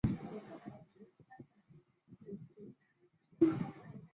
张津后又被他的属将区景所杀。